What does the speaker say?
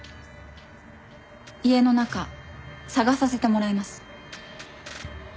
家の中捜させてもらいます。